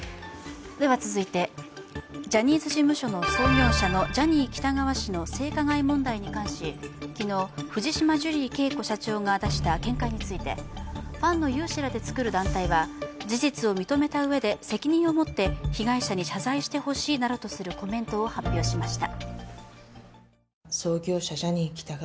ジャニーズ事務所の創業者のジャニー喜多川氏の性加害問題に関し、昨日、藤島ジュリー景子社長が出した見解について、ファンの有志らで作る団体は事実を認めたうえで責任を持って被害者に謝罪してほしいなどとするコメントを発表しました。